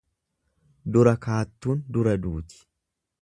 Dura kaattuun dura duuti.